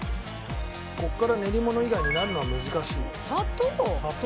「ここから練り物以外になるのは難しい」「砂糖！？」